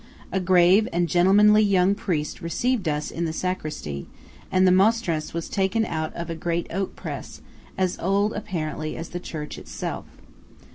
A grave and gentlemanly young priest received us in the sacristy, and the Mostranz was taken out of a great oak press, as old apparently as the church itself.